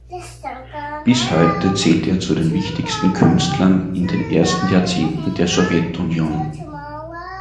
Bis heute zählt er zu den wichtigsten Künstlern in den ersten Jahrzehnten der Sowjetunion.